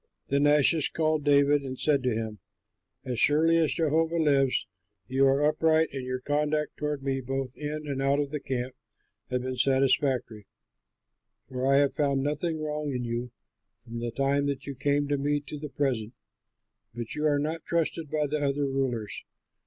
'" Then Achish called David and said to him, "As surely as Jehovah lives, you are upright, and your conduct toward me both in and out of the camp has been satisfactory, for I have found nothing wrong in you from the time that you came to me to the present; but you are not trusted by the other rulers.